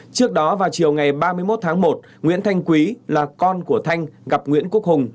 trước đó vào chiều ngày ba mươi một tháng một nguyễn thanh quý là con của thanh gặp nguyễn quốc hùng